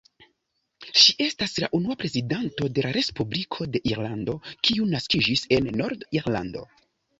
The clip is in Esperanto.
Ŝi estas la unua prezidento de la Respubliko de Irlando kiu naskiĝis en Nord-Irlando.